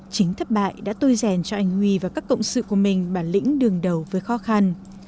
chính thất bại đã tôi rèn cho anh huy và các cộng sự của mình bản lĩnh đường đầu với khó khăn